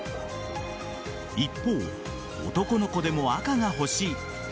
一方、男の子でも赤が欲しい。